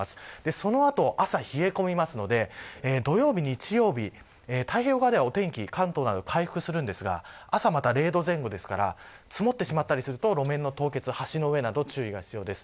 そのあと、朝、冷え込むので土曜日、日曜日、太平洋側ではお天気、関東など回復するんですが朝はまた０度前後なので積もったりすると路面の凍結橋の上など注意が必要です。